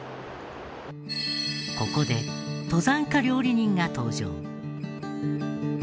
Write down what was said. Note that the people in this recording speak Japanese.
ここで登山家料理人が登場。